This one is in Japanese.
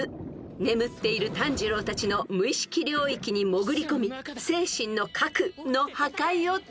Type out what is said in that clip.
［眠っている炭治郎たちの無意識領域に潜り込み精神の核の破壊をたくらむ］